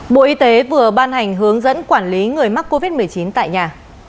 bộ y tế vừa ban hành hướng dẫn quản lý người mắc covid một mươi chín tại nhà